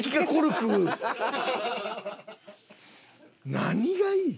何がいいん？